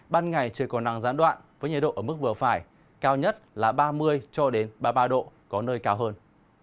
ban ngày trời còn nắng giãn đoạn với nhiệt độ ở mức vừa phải cao nhất là ba mươi ba mươi ba độ có nơi cao hơn